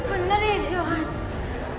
bener ya johan